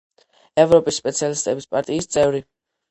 ევროპის სოციალისტების პარტიის წევრი.